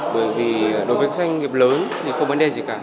bởi vì đối với các doanh nghiệp lớn thì không vấn đề gì cả